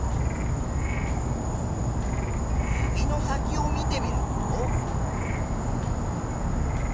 指の先を見てみると。